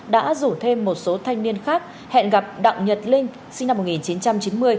đã rủ thêm một số thanh niên khác hẹn gặp nhật linh sinh năm một nghìn chín trăm chín mươi